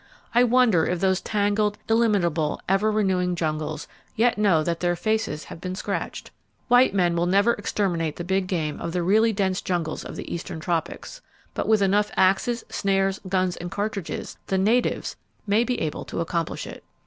I wonder if those tangled, illimitable, ever renewing jungles yet know that their faces have been scratched. White men never will exterminate the big game of the really dense jungles of the eastern tropics; but with enough axes, snares, guns and cartridges the natives may be able to accomplish it!